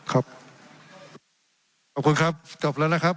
ขอบคุณครับจบแล้วนะครับ